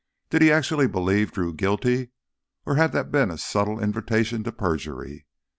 Did he actually believe Drew guilty, or had that been a subtle invitation to perjury?